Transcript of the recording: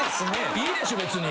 いいでしょ別に。